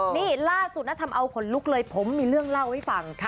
นี่ล่าสุดนะทำเอาขนลุกเลยผมมีเรื่องเล่าให้ฟัง